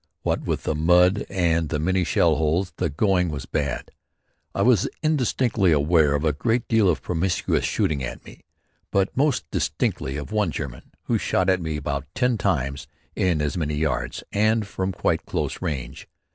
What with the mud and the many shell holes, the going was bad. I was indistinctly aware of a great deal of promiscuous shooting at me, but most distinctly of one German who shot at me about ten times in as many yards and from quite close range.